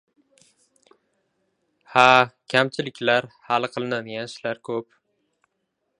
Ha, kamchiliklar, hali qilinadigan ishlar koʻp.